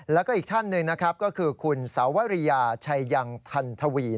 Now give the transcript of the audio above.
แล้วก็อีกท่านหนึ่งนะครับก็คือคุณสาวริยาชัยยังทันทวี